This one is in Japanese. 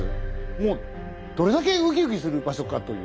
もうどれだけウキウキする場所かという。